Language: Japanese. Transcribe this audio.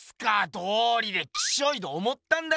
どうりでキショイと思ったんだよ！